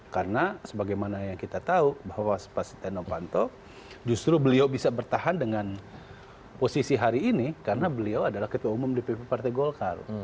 karena sebagaimana yang kita tahu bahwa pak setihan ovanto justru beliau bisa bertahan dengan posisi hari ini karena beliau adalah ketua umum dpr parti golkar